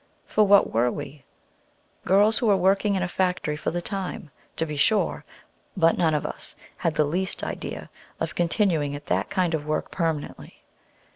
For what were we? Girls who were working in a factory for the time, to be sure; but none of us had the least idea of continuing at that kind of work permanently.